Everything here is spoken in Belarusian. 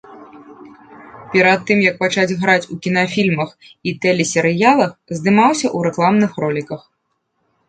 Перад тым як пачаць граць у кінафільмах і тэлесерыялах, здымаўся ў рэкламных роліках.